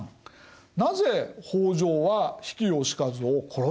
なぜ北条は比企能員を殺したのか。